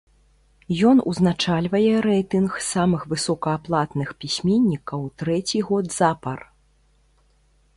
Ён узначальвае рэйтынг самых высокааплатных пісьменнікаў трэці год запар.